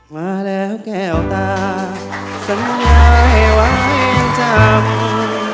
มาแล้วแก้วตาสัญญาไว้ยังจำ